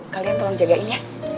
kalian tolong jagain ya